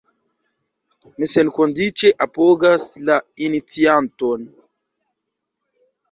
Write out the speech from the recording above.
Mi senkondiĉe apogas la iniciaton.